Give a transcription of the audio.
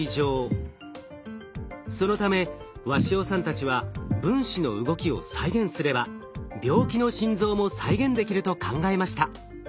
そのため鷲尾さんたちは分子の動きを再現すれば病気の心臓も再現できると考えました。